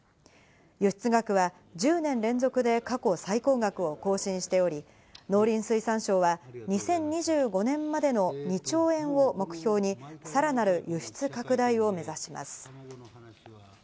輸出額は１０年連続で過去最高額を更新しており、農林水産省は２０２５年までの２兆円を目標にさらなる輸出拡大を目指します。